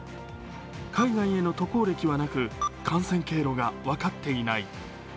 海外への渡航歴はなく、感染経路が分かっていない。